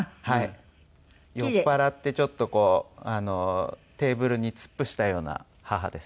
酔っ払ってちょっとこうテーブルに突っ伏したような母です。